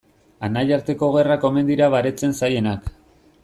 Anaiarteko gerrak omen dira baretzen zailenak.